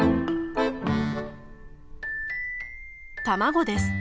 卵です。